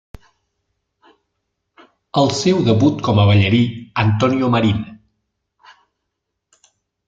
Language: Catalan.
El seu debut com a ballarí Antonio Marín.